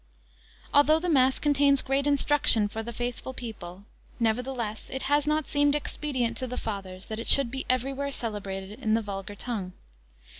Although the mass contains great instruction for the faithful people, nevertheless, it has not seemed expedient to the Fathers, that it should be every where celebrated in the vulgar tongue.